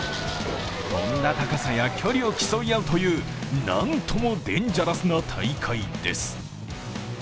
飛んだ高さや距離を競い合うというなんともデンジャラスな大会です。